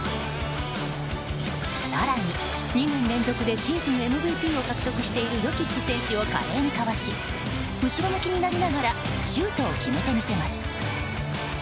更に２年連続でシーズンＭＶＰを獲得しているヨキッチ選手を華麗にかわし後ろ向きになりながらシュートを決めてみせます。